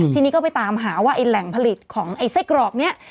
ทีนี้ก็ไปตามหาว่าไอ้แหล่งผลิตของไอ้ไส้กรอกนี้